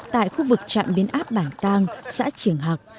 tại khu vực trạm biến áp bản cang xã trường học